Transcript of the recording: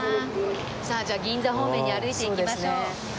さあじゃあ銀座方面に歩いて行きましょう。